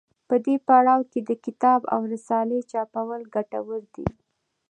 په دې پړاو کې د کتاب او رسالې چاپول ګټور دي.